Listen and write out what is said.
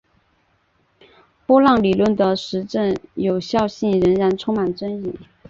波浪理论的实证有效性仍然充满争议。